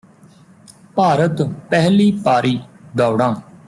ਭਾਰਤ ਪਹਿਲੀ ਪਾਰੀ ਦੌੜਾਂ